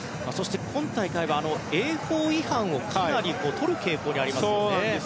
今大会は泳法違反をかなりとる傾向にありますね。